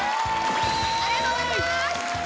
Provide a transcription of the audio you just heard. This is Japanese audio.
ありがとうございます！